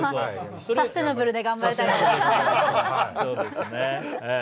サステイナブルで頑張りたいと思います。